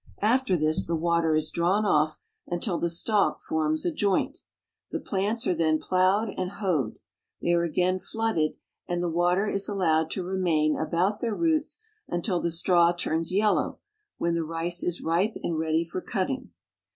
After this the water is drawn off until the stalk forms a joint. The plants are then plowed and hoed. They are again flooded, and the water is allowed to remain about their roots until the straw turns yellow, when the rice is ripe and ready for cutting.